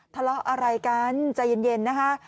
ทะเลาะอะไรกันใจเย็นนะคะ